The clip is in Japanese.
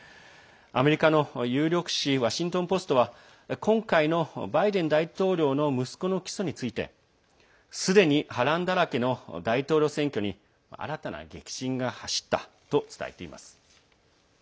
アメリカの有力紙ワシントン・ポストは今回のバイデン大統領の息子の起訴についてすでに波乱だらけの大統領選挙に新たな激震が走ったと伝えています。